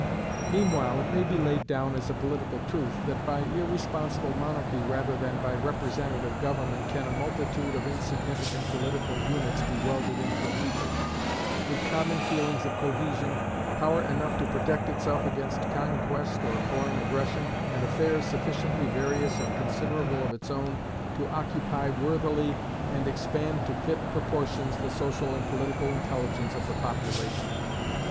Meanwhile, it may be laid down as a political truth, that by irresponsible monarchy rather than by representative government can a multitude of insignificant political units be welded into a people, with common feelings of cohesion, power enough to protect itself against conquest or foreign aggression, and affairs sufficiently various and considerable of its own to occupy worthily and expand to fit proportions the social and political intelligence of the population.